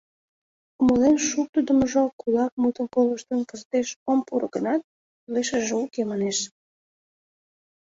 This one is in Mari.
Умылен шуктыдымыжо, кулак мутым колыштын, «кызытеш ом пуро гынат, кӱлешыже уке» манеш.